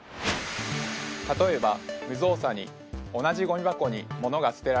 例えば無造作に同じゴミ箱に物が捨てられたとします。